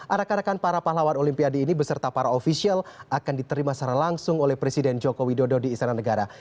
arak arakan para pahlawan olimpiade ini beserta para ofisial akan diterima secara langsung oleh presiden joko widodo di istana negara